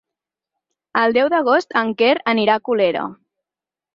El deu d'agost en Quer anirà a Colera.